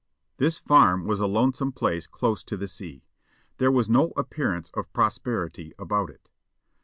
This farm was a lonesome place close to the sea; there was no appearance of prosperity about it.